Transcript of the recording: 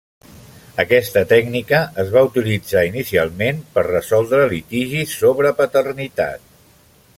Aquesta tècnica es va utilitzar inicialment per resoldre litigis sobre paternitat.